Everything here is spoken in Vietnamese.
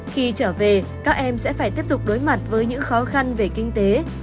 khi trở về các em sẽ phải tiếp tục đối mặt với những khó khăn về kinh tế